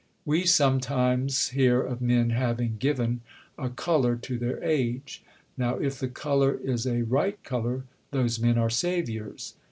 We sometimes hear of men 'having given a colour to their age.' Now, if the colour is a right colour, those men are saviours."